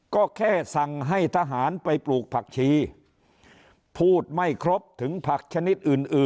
ก็แค่สั่งให้ทหารไปปลูกผักชีพูดไม่ครบถึงผักชนิดอื่น